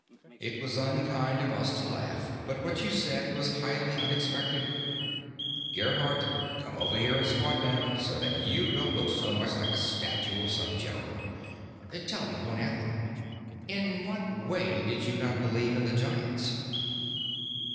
"It was unkind of us to laugh, but what you said was highly unexpected. Gerhardt, come over here and squat down, so that you don't look so much like a statue of some general. Tell me, Honath, in what way did you not believe in the Giants?"